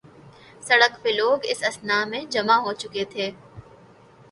سڑک پہ لوگ اس اثناء میں جمع ہوچکے تھے۔